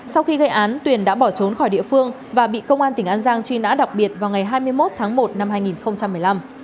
sau khi gây án tuyền đã bỏ trốn khỏi địa phương và bị công an tỉnh an giang truy nã đặc biệt vào ngày hai mươi một tháng một năm hai nghìn một mươi năm